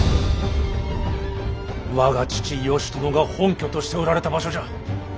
我が父義朝が本拠としておられた場所じゃ。